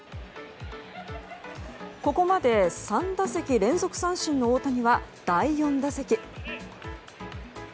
ここまで３打席連続三振の大谷は第４打席。